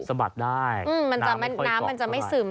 สะบัดได้น้ำมันจะไม่ซึม